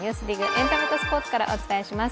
エンタメとスポーツをお伝えします。